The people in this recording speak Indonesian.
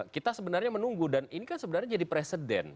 kita sebenarnya menunggu dan ini kan sebenarnya jadi presiden